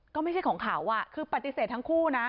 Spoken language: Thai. ก็ไม่ใช่ของเขาคือปฏิเสธทั้งคู่นะ